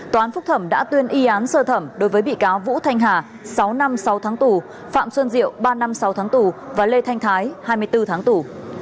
tòa án phúc thẩm đã tuyên y án sơ thẩm đối với bị cáo vũ thanh hà sáu năm sáu tháng tù phạm xuân diệu ba năm sáu tháng tù và lê thanh thái hai mươi bốn tháng tù